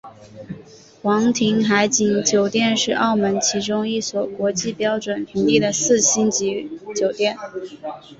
皇庭海景酒店是澳门其中一所国际标准评定的四星级酒店。